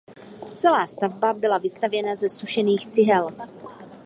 Celá stavba byla vystavěna ze sušených cihel.